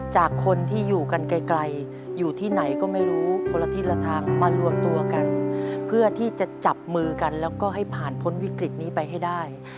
จากคนที่อยู่กันไกลอยู่ที่ไหนก็ไม่รู้คนละทิศละทางมารวมตัวกันเพื่อที่จะจับมือกันแล้วก็ให้ผ่านพ้นวิกฤตนี้ไปให้ได้